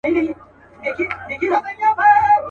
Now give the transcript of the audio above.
او پوره د خپلي میني مدعا کړي.